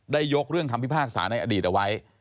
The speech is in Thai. ยกเรื่องคำพิพากษาในอดีตเอาไว้